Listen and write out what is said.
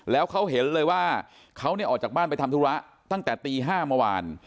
แล้วเขาเห็นเลยว่าเขาออกจากบ้านไปทำธุระตั้งแต่ตี๕เมื่อวาน